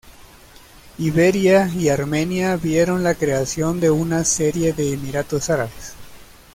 Iberia y Armenia vieron la creación de una serie de emiratos árabes.